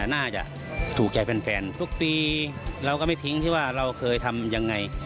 น่าจะถูกใจแฟนทุกปีเราก็ไม่ทิ้งที่ว่าเราเคยทำยังไง